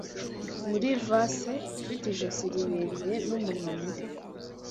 Muri vase ifite ijosi rirerire n'umunwa muto